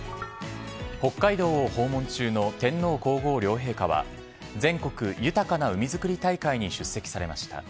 北海道を訪問中の天皇皇后両陛下は全国豊かな海づくり大会に出席されました。